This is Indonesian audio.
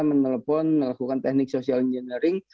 menelpon melakukan teknik social engineering